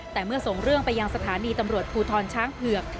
แต่เมื่อส่งเรื่องไปยังสถานีตำรวจภูทรช้างเผือก